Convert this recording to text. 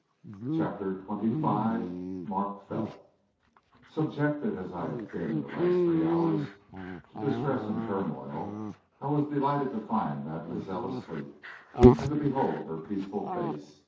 CHAPTER XXV. MARK FELT. [Illustration: S] Subjected as I have been in the last three hours to distress and turmoil, I was delighted to find mademoiselle asleep, and to behold her peaceful face.